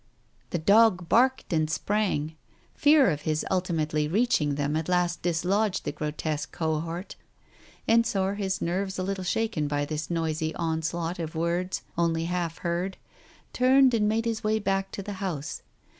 ..!" The dog barked and sprang. Fear of his ultimately reaching them at last dislodged the grotesque cohort. Ensor, his nerves a little shaken by this noisy onslaught of words only half heard, turned and made his way back to the house.